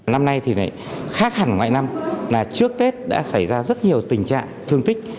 năm nay thì khác hẳn mọi năm là trước tết đã xảy ra rất nhiều tình trạng thương tích